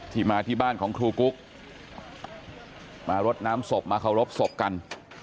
มาที่บ้านของครูกุ๊กมารดน้ำศพมาเคารพศพกัน